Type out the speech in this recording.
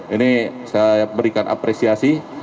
ini saya berikan apresiasi